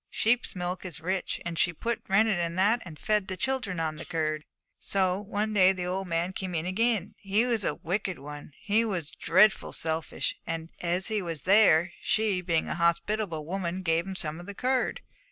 Sheep's milk is rich, and she put rennet in that, and fed the children on the curd. 'So one day the old man came in again. He was a wicked one; he was dreadful selfish; and as he was there, she, being a hospitable woman, gave him some of the curd.